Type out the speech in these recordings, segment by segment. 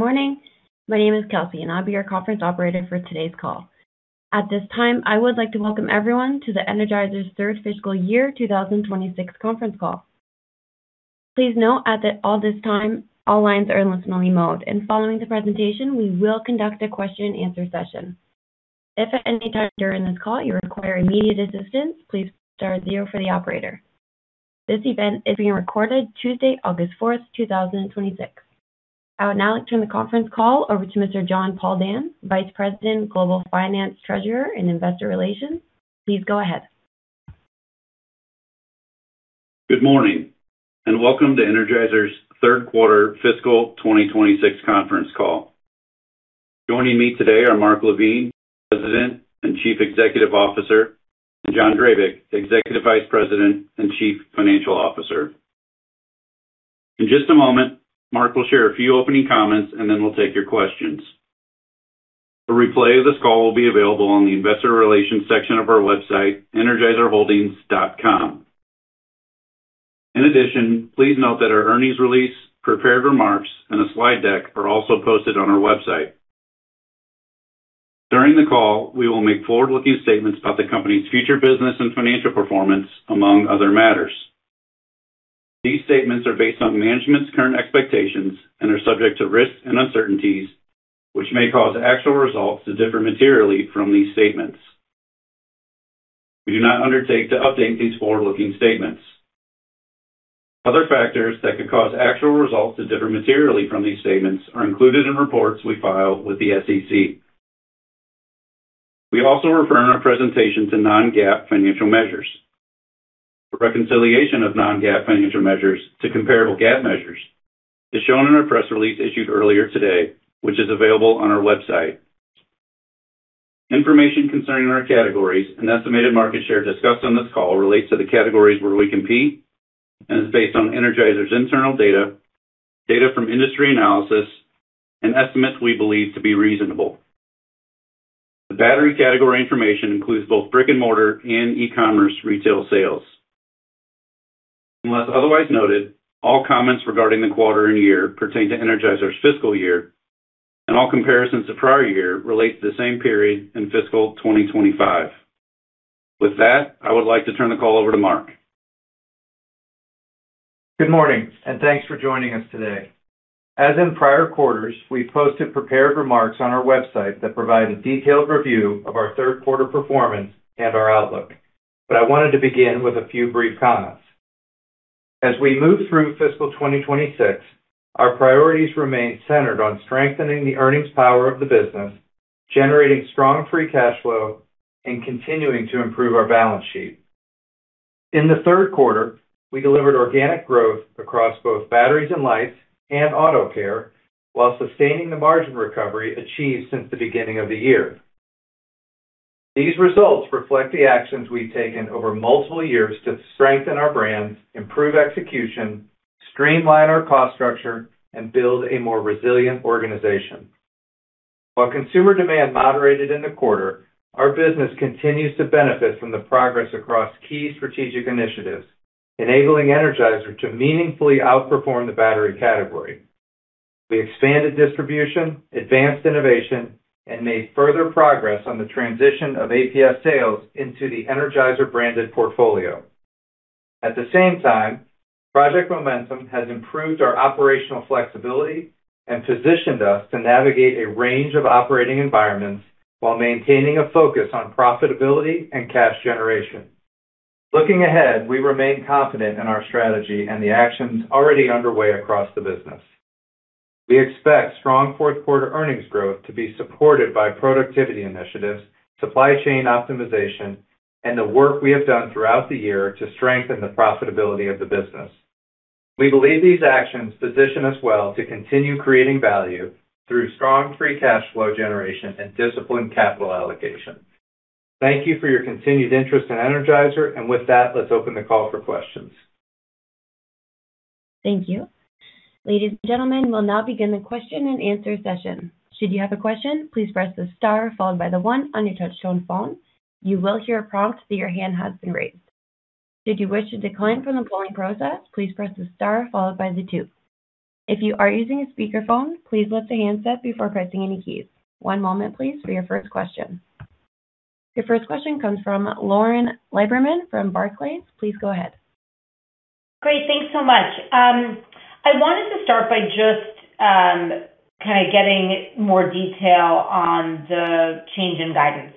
Morning. My name is Kelsey, and I'll be your conference operator for today's call. At this time, I would like to welcome everyone to Energizer's third fiscal year 2026 conference call. Please note that at this time, all lines are in listen-only mode, and following the presentation, we will conduct a question-and-answer session. If at any time during this call you require immediate assistance, please star zero for the operator. This event is being recorded Tuesday, August 4th, 2026. I would now like to turn the conference call over to Mr. Jon Poldan, Vice President, Global Finance, Treasurer, and Investor Relations. Please go ahead. Good morning, and welcome to Energizer's third quarter fiscal 2026 conference call. Joining me today are Mark LaVigne, President and Chief Executive Officer, and John Drabik, Executive Vice President and Chief Financial Officer. In just a moment, Mark will share a few opening comments, and then we'll take your questions. A replay of this call will be available on the investor relations section of our website, energizerholdings.com. In addition, please note that our earnings release, prepared remarks, and a slide deck are also posted on our website. During the call, we will make forward-looking statements about the company's future business and financial performance, among other matters. These statements are based on management's current expectations and are subject to risks and uncertainties, which may cause actual results to differ materially from these statements. We do not undertake to update these forward-looking statements. Other factors that could cause actual results to differ materially from these statements are included in reports we file with the SEC. We also refer in our presentation to non-GAAP financial measures. The reconciliation of non-GAAP financial measures to comparable GAAP measures is shown in our press release issued earlier today, which is available on our website. Information concerning our categories and estimated market share discussed on this call relates to the categories where we compete and is based on Energizer's internal data from industry analysis, and estimates we believe to be reasonable. The battery category information includes both brick and mortar and e-commerce retail sales. Unless otherwise noted, all comments regarding the quarter and year pertain to Energizer's fiscal year, and all comparisons to prior year relate to the same period in fiscal 2025. With that, I would like to turn the call over to Mark. Good morning, and thanks for joining us today. As in prior quarters, we posted prepared remarks on our website that provide a detailed review of our third quarter performance and our outlook. I wanted to begin with a few brief comments. As we move through fiscal 2026, our priorities remain centered on strengthening the earnings power of the business, generating strong free cash flow, and continuing to improve our balance sheet. In the third quarter, we delivered organic growth across both batteries and lights and auto care, while sustaining the margin recovery achieved since the beginning of the year. These results reflect the actions we've taken over multiple years to strengthen our brands, improve execution, streamline our cost structure, and build a more resilient organization. While consumer demand moderated in the quarter, our business continues to benefit from the progress across key strategic initiatives, enabling Energizer to meaningfully outperform the battery category. We expanded distribution, advanced innovation, and made further progress on the transition of APS sales into the Energizer branded portfolio. At the same time, Project Momentum has improved our operational flexibility and positioned us to navigate a range of operating environments while maintaining a focus on profitability and cash generation. Looking ahead, we remain confident in our strategy and the actions already underway across the business. We expect strong fourth quarter earnings growth to be supported by productivity initiatives, supply chain optimization, and the work we have done throughout the year to strengthen the profitability of the business. We believe these actions position us well to continue creating value through strong free cash flow generation and disciplined capital allocation. Thank you for your continued interest in Energizer. With that, let's open the call for questions. Thank you. Ladies and gentlemen, we'll now begin the question-and-answer session. Should you have a question, please press the star followed by the one on your touchtone phone. You will hear a prompt that your hand has been raised. Should you wish to decline from the polling process, please press the star followed by the two. If you are using a speakerphone, please lift the handset before pressing any keys. One moment please for your first question. Your first question comes from Lauren Lieberman from Barclays. Please go ahead. Great. Thanks so much. I wanted to start by just kind of getting more detail on the change in guidance.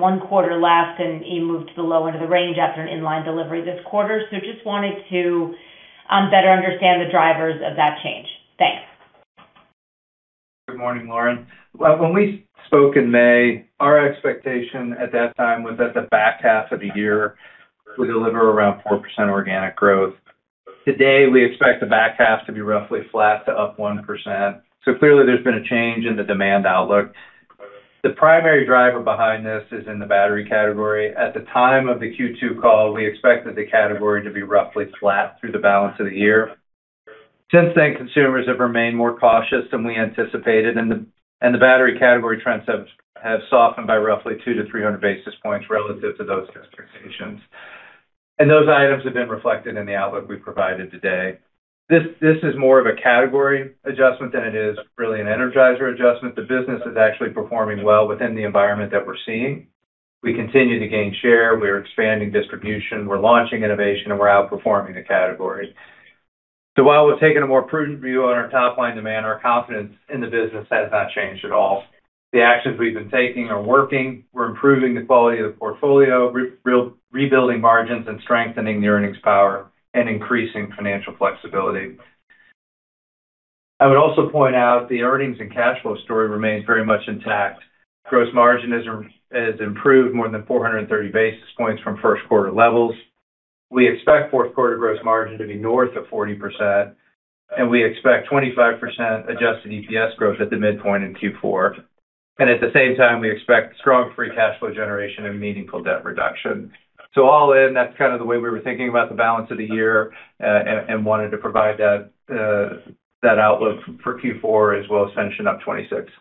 One quarter less, you moved to the low end of the range after an in-line delivery this quarter. Just wanted to better understand the drivers of that change. Thanks. Good morning, Lauren. When we spoke in May, our expectation at that time was that the back half of the year would deliver around 4% organic growth. Today, we expect the back half to be roughly flat to up 1%. Clearly there's been a change in the demand outlook. The primary driver behind this is in the battery category. At the time of the Q2 call, we expected the category to be roughly flat through the balance of the year. Since then, consumers have remained more cautious than we anticipated, and the battery category trends have softened by roughly 200 to 300 basis points relative to those expectations. Those items have been reflected in the outlook we've provided today. This is more of a category adjustment than it is really an Energizer adjustment. The business is actually performing well within the environment that we're seeing. We continue to gain share, we're expanding distribution, we're launching innovation, and we're outperforming the category. While we've taken a more prudent view on our top-line demand, our confidence in the business has not changed at all. The actions we've been taking are working. We're improving the quality of the portfolio, rebuilding margins, and strengthening the earnings power and increasing financial flexibility. I would also point out the earnings, and cash flow story remains very much intact. Gross margin has improved more than 430 basis points from first quarter levels. We expect fourth quarter gross margin to be north of 40%, and we expect 25% adjusted EPS growth at the midpoint in Q4. At the same time, we expect strong free cash flow generation and meaningful debt reduction. All in, that's kind of the way we were thinking about the balance of the year and wanted to provide that outlook for Q4 as well as finishing up 2026.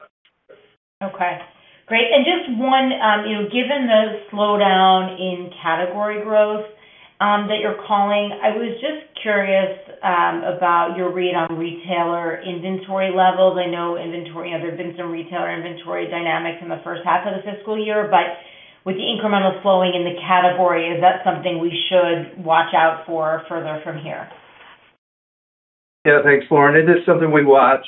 Okay, great. Just one, given the slowdown in category growth that you're calling, I was just curious about your read on retailer inventory levels. I know there have been some retailer inventory dynamics in the first half of the fiscal year, but with the incremental slowing in the category, is that something we should watch out for further from here? Thanks, Lauren. It is something we watch.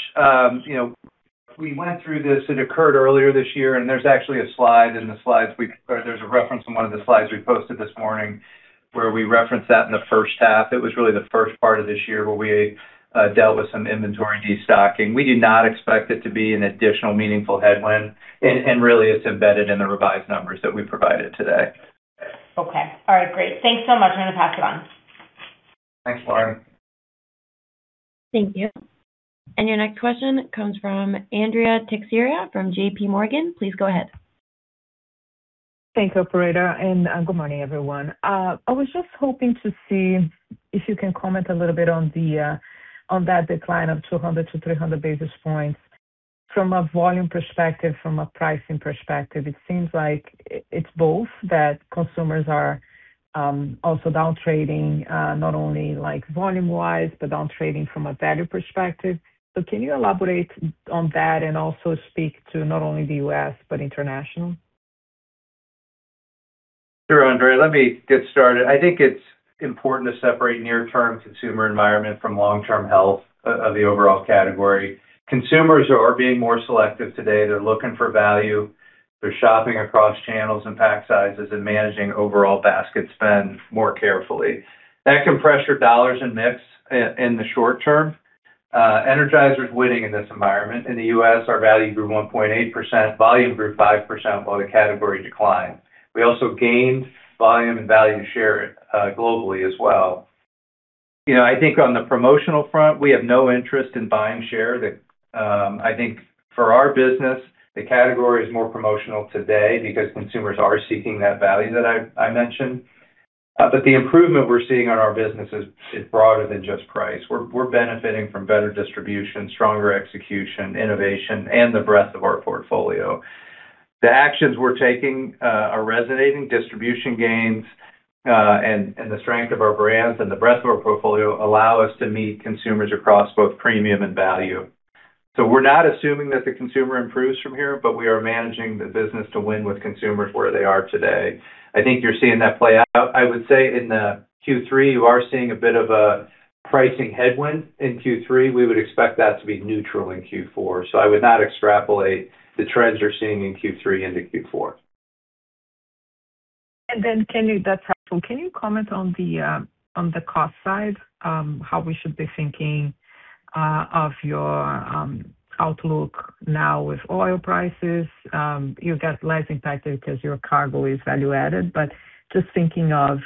We went through this, it occurred earlier this year, and there's actually a slide in the slides, or there's a reference in one of the slides we posted this morning where we referenced that in the first half. It was really the first part of this year where we dealt with some inventory destocking. We do not expect it to be an additional meaningful headwind, and really it's embedded in the revised numbers that we provided today. Okay. All right, great. Thanks so much. I'm going to pass it on. Thanks, Lauren. Thank you. Your next question comes from Andrea Teixeira from JPMorgan. Please go ahead. Thanks, operator, good morning, everyone. I was just hoping to see if you can comment a little bit on that decline of 200 to 300 basis points from a volume perspective, from a pricing perspective. It seems like it's both, that consumers are also down-trading, not only volume-wise, but down-trading from a value perspective. Can you elaborate on that and also speak to not only the U.S. but international? Sure, Andrea Teixeira, let me get started. I think it's important to separate near-term consumer environment from long-term health of the overall category. Consumers are being more selective today. They're looking for value. They're shopping across channels and pack sizes and managing overall basket spend more carefully. That can pressure dollars and mix in the short term. Energizer's winning in this environment. In the U.S., our value grew 1.8%, volume grew 5%, while the category declined. We also gained volume and value share globally as well. I think on the promotional front, we have no interest in buying share. I think for our business, the category is more promotional today because consumers are seeking that value that I mentioned. The improvement we're seeing on our business is broader than just price. We're benefiting from better distribution, stronger execution, innovation, and the breadth of our portfolio. The actions we're taking are resonating. Distribution gains, the strength of our brands, and the breadth of our portfolio allow us to meet consumers across both premium and value. We're not assuming that the consumer improves from here, but we are managing the business to win with consumers where they are today. I think you're seeing that play out. I would say in Q3, you are seeing a bit of a pricing headwind in Q3. We would expect that to be neutral in Q4. I would not extrapolate the trends you're seeing in Q3 into Q4. That's helpful. Can you comment on the cost side, how we should be thinking of your outlook now with oil prices? You get less impacted because your cargo is value-added, just thinking of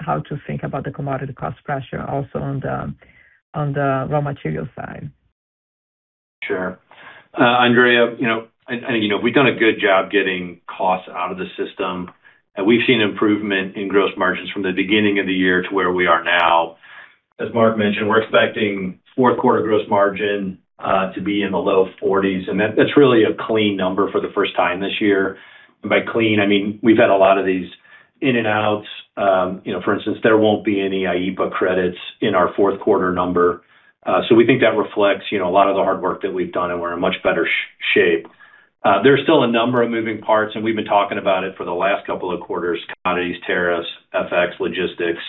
how to think about the commodity cost pressure also on the raw material side. Sure. Andrea, we've done a good job getting costs out of the system. We've seen improvement in gross margins from the beginning of the year to where we are now. As Mark mentioned, we're expecting fourth quarter gross margin to be in the low 40s, and that's really a clean number for the first time this year. By clean, I mean, we've had a lot of these in and outs. For instance, there won't be any IEEPA credits in our fourth quarter number. We think that reflects a lot of the hard work that we've done, and we're in much better shape. There's still a number of moving parts, and we've been talking about it for the last couple of quarters, commodities, tariffs, FX, logistics.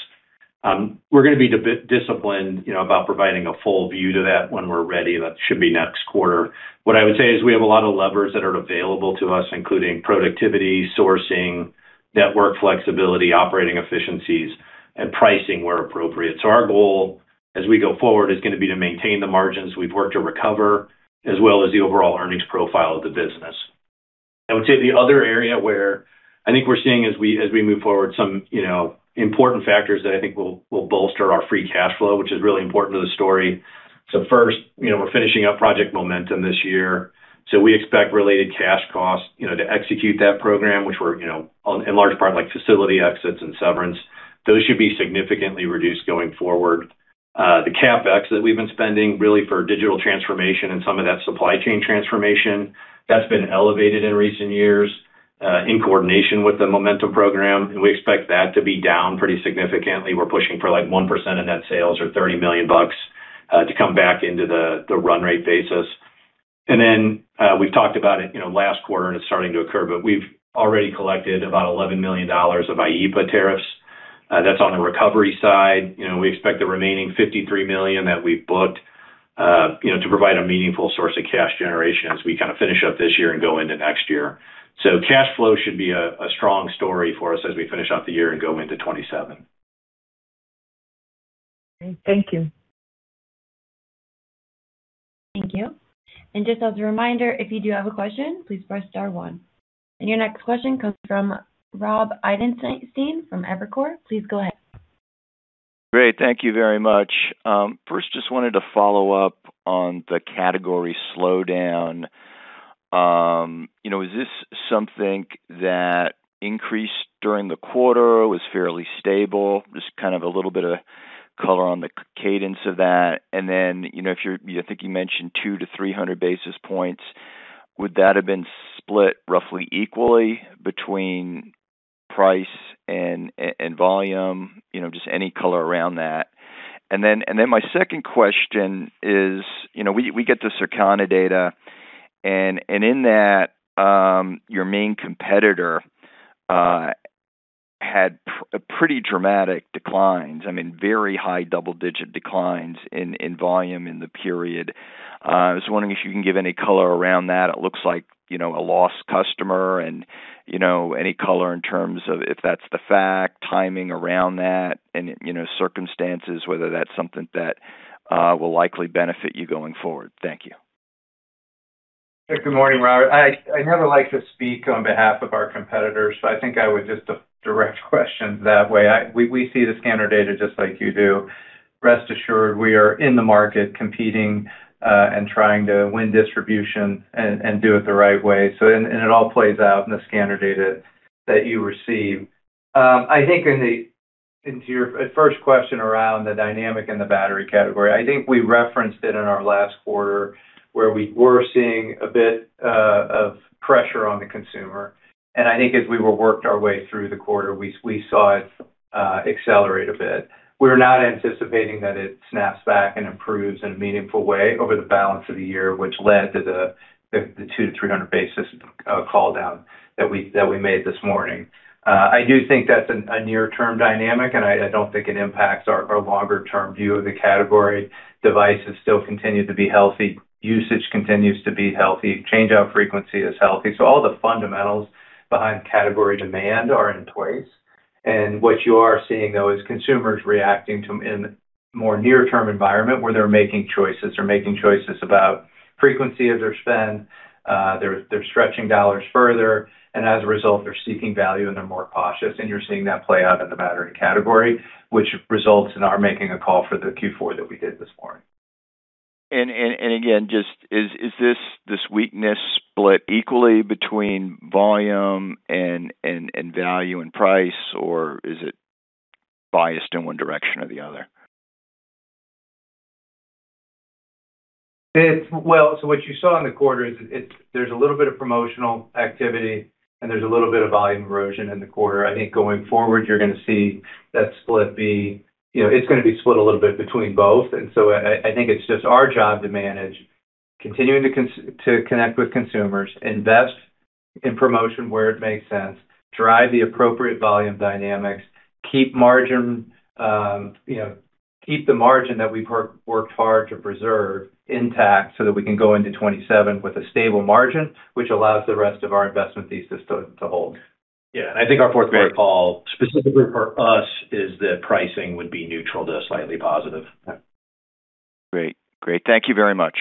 We're going to be disciplined about providing a full view to that when we're ready. That should be next quarter. What I would say is we have a lot of levers that are available to us, including productivity, sourcing, network flexibility, operating efficiencies, and pricing where appropriate. Our goal, as we go forward, is going to be to maintain the margins we've worked to recover, as well as the overall earnings profile of the business. I would say the other area where I think we're seeing as we move forward, some important factors that I think will bolster our free cash flow, which is really important to the story. First, we're finishing up Project Momentum this year. We expect related cash costs to execute that program, which in large part like facility exits and severance, those should be significantly reduced going forward. The CapEx that we've been spending really for digital transformation and some of that supply chain transformation, that's been elevated in recent years in coordination with the Momentum program. We expect that to be down pretty significantly. We're pushing for 1% in net sales or $30 million to come back into the run rate basis. Then, we've talked about it last quarter, and it's starting to occur, but we've already collected about $11 million of IEEPA tariffs. That's on the recovery side. We expect the remaining $53 million that we've booked to provide a meaningful source of cash generation as we finish up this year and go into next year. Cash flow should be a strong story for us as we finish up the year and go into 2027. Great. Thank you. Thank you. Just as a reminder, if you do have a question, please press star one. Your next question comes from Rob Ottenstein from Evercore. Please go ahead. Great. Thank you very much. First, just wanted to follow up on the category slowdown. Is this something that increased during the quarter, was fairly stable? Just a little bit of color on the cadence of that. I think you mentioned 200 to 300 basis points. Would that have been split roughly equally between price and volume? Just any color around that. My second question is, we get the Circana data, and in that, your main competitor had pretty dramatic declines, very high double-digit declines in volume in the period. I was wondering if you can give any color around that. It looks like a lost customer and any color in terms of if that's the fact, timing around that and circumstances, whether that's something that will likely benefit you going forward. Thank you. Good morning, Robert. I never like to speak on behalf of our competitors, so I think I would just direct questions that way. We see the scanner data just like you do. Rest assured, we are in the market competing and trying to win distribution and do it the right way. It all plays out in the scanner data that you receive. I think into your first question around the dynamic in the battery category, I think we referenced it in our last quarter, where we were seeing a bit of pressure on the consumer. I think as we worked our way through the quarter, we saw it accelerate a bit. We're not anticipating that it snaps back and improves in a meaningful way over the balance of the year, which led to the 200 to 300 basis call-down that we made this morning. I do think that's a near-term dynamic. I don't think it impacts our longer-term view of the category. Devices still continue to be healthy. Usage continues to be healthy. Change-out frequency is healthy. All the fundamentals behind category demand are in place. What you are seeing, though, is consumers reacting to in a more near-term environment where they're making choices. They're making choices about frequency of their spend. They're stretching dollars further, and as a result, they're seeking value, and they're more cautious. You're seeing that play out in the battery category, which results in our making a call for the Q4 that we did this morning. Is this weakness split equally between volume and value and price, or is it biased in one direction or the other? What you saw in the quarter is there's a little bit of promotional activity, and there's a little bit of volume erosion in the quarter. I think going forward, you're going to see that split be it's going to be split a little bit between both. I think it's just our job to manage, continuing to connect with consumers, invest in promotion where it makes sense, drive the appropriate volume dynamics, keep the margin that we've worked hard to preserve intact so that we can go into 2027 with a stable margin, which allows the rest of our investment thesis to hold. Yeah. I think our fourth quarter call, specifically for us, is that pricing would be neutral to slightly positive. Great. Thank you very much.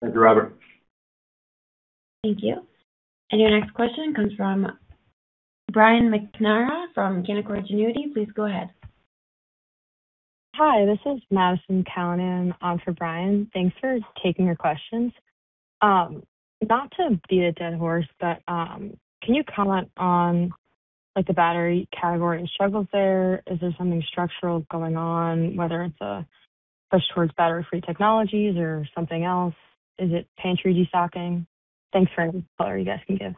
Thank you, Robert. Thank you. Your next question comes from Brian McNamara from Canaccord Genuity. Please go ahead. Hi, this is Madison Callinan on for Brian. Thanks for taking our questions. Not to beat a dead horse, can you comment on the battery category struggles there? Is there something structural going on, whether it's a push towards battery-free technologies or something else? Is it pantry destocking? Thanks for any color you guys can give.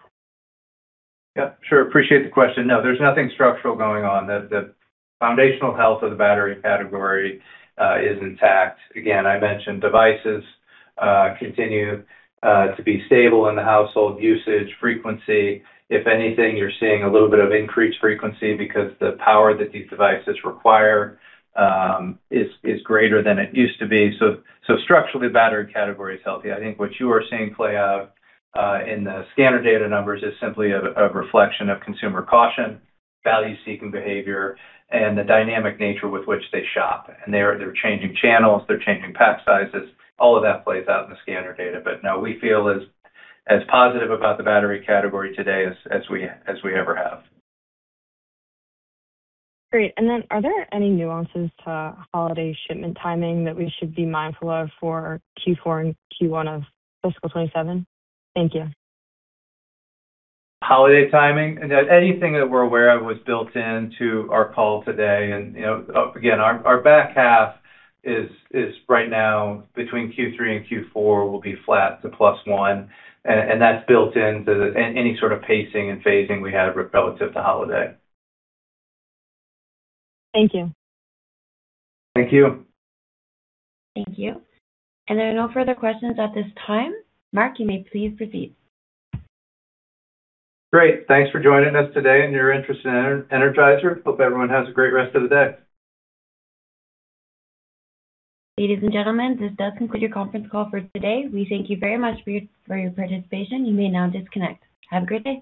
Sure. Appreciate the question. There's nothing structural going on. The foundational health of the battery category is intact. Again, I mentioned devices continue to be stable in the household, usage, frequency. If anything, you're seeing a little bit of increased frequency because the power that these devices require is greater than it used to be. Structurally, the battery category is healthy. I think what you are seeing play out in the scanner data numbers is simply a reflection of consumer caution, value-seeking behavior, and the dynamic nature with which they shop. They're changing channels. They're changing pack sizes. All of that plays out in the scanner data. We feel as positive about the battery category today as we ever have. Great. Are there any nuances to holiday shipment timing that we should be mindful of for Q4 and Q1 of fiscal 2027? Thank you. Holiday timing? Anything that we're aware of was built into our call today. Again, our back half is right now between Q3 and Q4 will be flat to +1, that's built into any sort of pacing and phasing we have relative to holiday. Thank you. Thank you. Thank you. There are no further questions at this time. Mark, you may please proceed. Great. Thanks for joining us today and your interest in Energizer. Hope everyone has a great rest of the day. Ladies and gentlemen, this does conclude your conference call for today. We thank you very much for your participation. You may now disconnect. Have a great day.